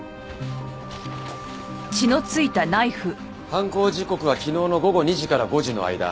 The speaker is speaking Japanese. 犯行時刻は昨日の午後２時から５時の間。